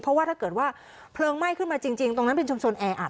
เพราะว่าถ้าเกิดว่าเพลิงไหม้ขึ้นมาจริงตรงนั้นเป็นชุมชนแออัด